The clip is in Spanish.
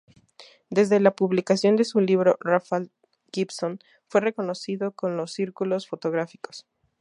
Desde la publicación de su libro Ralph Gibson fue reconocido en los círculos fotográficos.